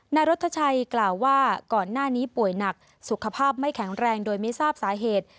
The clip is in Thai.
นายรัฐชัยกล่าวว่าก่อนหน้านี้ป่วยหนักสุขภาพไม่แข็งแรงโดยไม่ทราบสาเหตุ